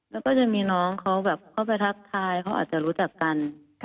แล้วก็จะมีน้องเขาแบบเข้าไปทักทายเขาอาจจะรู้จักกัน